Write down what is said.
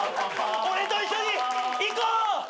俺と一緒に行こう！